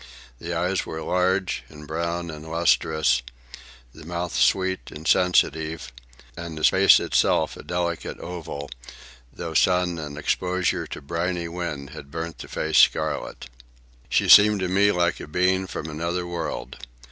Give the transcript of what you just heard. The eyes were large and brown and lustrous, the mouth sweet and sensitive, and the face itself a delicate oval, though sun and exposure to briny wind had burnt the face scarlet. She seemed to me like a being from another world.